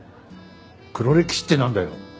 黒歴史ってなんだよ！